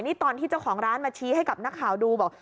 นี่ตอนที่เจ้าของร้านมาชี้ให้กับนักข่าวดูบอก